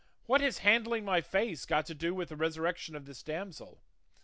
What has handling my face got to do with the resurrection of this damsel?